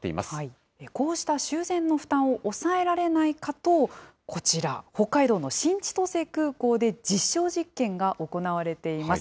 こうした修繕の負担を抑えられないかと、こちら、北海道の新千歳空港で実証実験が行われています。